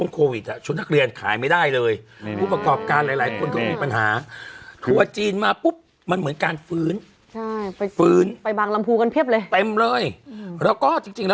คนเนี้ยน่ารักเนอะน่ารักน่ารักเลยซึ่งแต่ถ้าสมมุติก็บอกไอ้ที่ผิดน่ะ